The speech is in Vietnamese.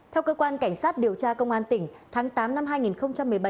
theo cơ quan cảnh sát điều tra công an tỉnh tháng tám năm hai nghìn một mươi bảy